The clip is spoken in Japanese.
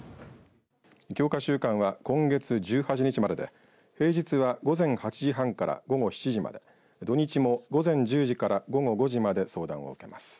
強化週間は、今月１８日までで平日は午前８時半から午後７時まで土日も午前１０時から午後５時まで相談を受けます。